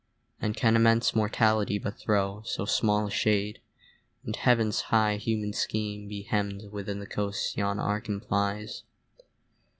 And can immense Mortality but throw So small a shade, and Heaven's high human scheme Be hemmed within the coasts yon arc implies?